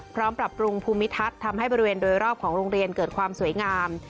ปรับปรุงภูมิทัศน์ทำให้บริเวณโดยรอบของโรงเรียนเกิดความสวยงาม